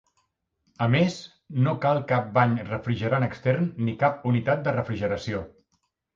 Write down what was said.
A més, no cal cap bany refrigerant extern ni cap unitat de refrigeració.